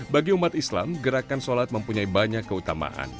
bagi umat islam gerakan sholat mempunyai banyak keutamaan